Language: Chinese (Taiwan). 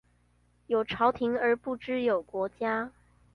有朝廷而不知有國家